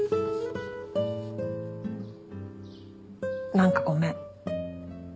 何かごめん。